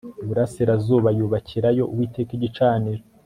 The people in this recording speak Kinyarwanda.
iburasirazuba yubakirayo uwiteka igicaniro